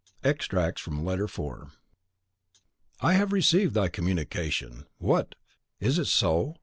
.... Extracts from Letter IV. I have received thy communication. What! is it so?